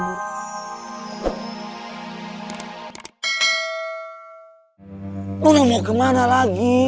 lu mau kemana lagi